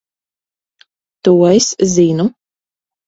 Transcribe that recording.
To es zinu.